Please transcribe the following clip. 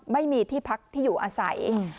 ไม่มีที่พักที่อยู่อาศัย